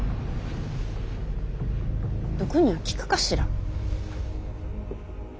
毒には効くかしら。